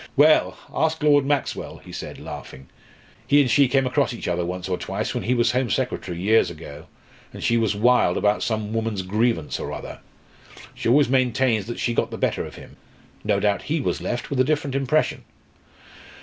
"Well, ask Lord Maxwell," he said, laughing. "He and she came across each other once or twice, when he was Home Secretary years ago, and she was wild about some woman's grievance or other. She always maintains that she got the better of him no doubt he was left with a different impression.